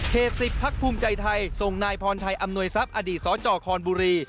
๑๐พักภูมิใจไทยส่งนายพรชัยอำนวยทรัพย์อดีตสจคอนบุรี